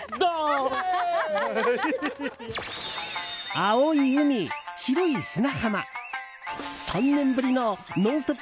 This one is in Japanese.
青い海、白い砂浜３年ぶりの「ノンストップ！」